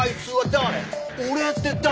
「俺って誰？